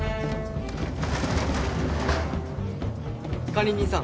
管理人さん